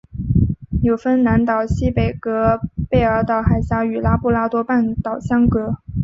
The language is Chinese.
纽芬兰岛西北隔贝尔岛海峡与拉布拉多半岛相隔。